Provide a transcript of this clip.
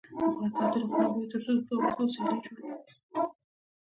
افغانستان تر هغو نه ابادیږي، ترڅو د کتاب لوستلو سیالۍ جوړې نشي.